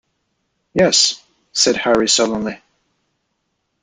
"Yes," said Harry sullenly.